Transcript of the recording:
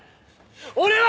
俺は！